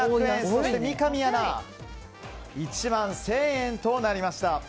そして三上アナは１万１０００円となりました。